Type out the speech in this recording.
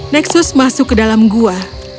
nexus masuk ke dalam gua